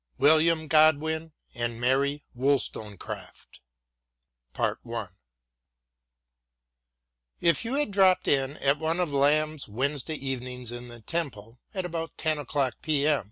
WILLIAM GODWIN AND MARY WOLLSTONECRAFT IF you had dropped in at one of Lamb's Wednesday evenings in the Temple, at about ten o'clock P.M.